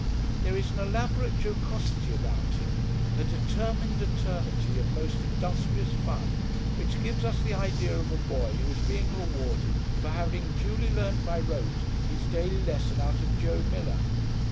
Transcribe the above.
'There is an elaborate jocosity about him, a determined eternity of most industrious fun, which gives us the idea of a boy who is being rewarded for having duly learnt by rote his daily lesson out of Joe Miller.'